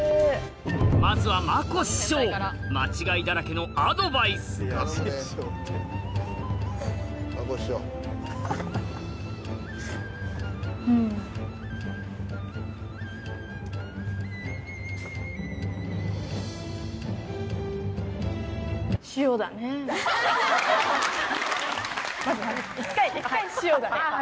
まずはまこ師匠間違いだらけのアドバイスうん！ハハハ。